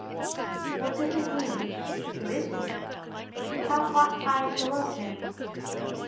"What does it mean? Who is he? How ought I to love him?